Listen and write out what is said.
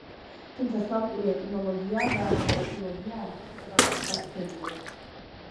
თუმცა სლავური ეტიმოლოგია და მორფოლოგია არ იყო შესაბამისად გაშუქებული.